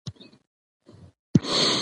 - تر سل ځل اوریدلو یو ځل لیدل ښه دي.